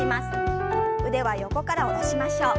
腕は横から下ろしましょう。